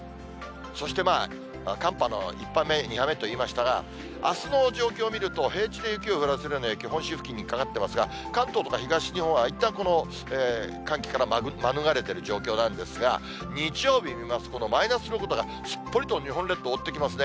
そして寒波の１波目、２波目と言いましたが、あすの状況見ると、平地で雪を降らせるような影響、本州付近にかかってますが、関東とか東日本はいったん、この寒気から免れている状況なんですが、日曜日見ますと、このマイナスの雲がすっぽりと日本列島覆ってきますね。